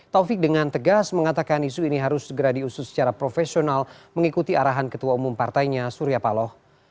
taufik dengan tegas mengatakan isu ini harus segera diusut secara profesional mengikuti arahan ketua umum partainya surya paloh